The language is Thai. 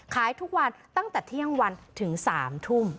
ขายทุกวันตั้งแต่เที่ยงวันถึง๓ทุ่ม